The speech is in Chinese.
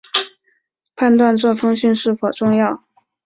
判断这封信是否重要